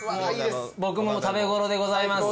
僕もう食べ頃でございます。